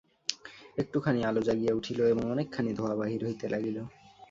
একটুখানি আলো জাগিয়া উঠিল এবং অনেকখানি ধোঁয়া বাহির হইতে লাগিল।